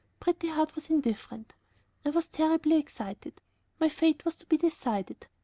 Pretty Heart was indifferent. I was terribly excited. My fate was to be decided.